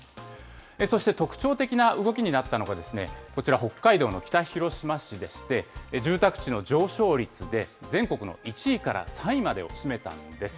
そして特徴的な動きになったのが、こちら、北海道の北広島市でして、住宅地の上昇率で、全国の１位から３位までを占めたんです。